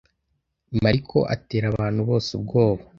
Mariko atera abantu bose ubwoba.